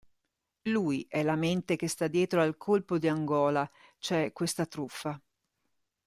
Lui è la mente che sta dietro al "colpo di Angola", cioè questa truffa.